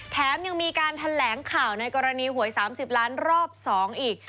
แถมยังมีการแถลงข่าวในกรณีหวย๓๐ล้านรอบ๒อีก